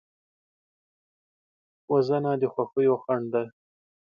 وژنه د خوښیو خنډ ده